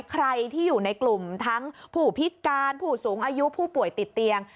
ใครที่อยู่ในกลุ่มทั้งผู้พิการผู้สูงอายุผู้ป่วยติดเตียง